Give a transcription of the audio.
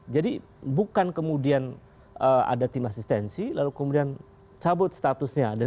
jadi bukan kemudian ada tim asistensi lalu kemudian cabut statusnya